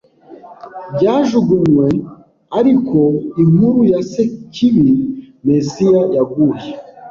byajugunywe ariko inkuru ya Sekibi Mesiya yaguye